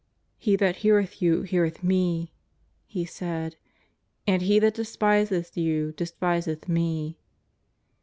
" He that heareth you heareth Me,'' He said, " and he that despiseth you despiseth Me."